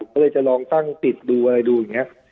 ก็เลยจะลองตั้งติดดูอะไรดูอย่างนี้